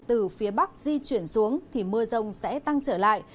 từ phía bắc di chuyển xuống thì mưa rông sẽ tăng trở lại